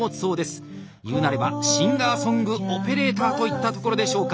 いうなればシンガーソングオペレーターといったところでしょうか。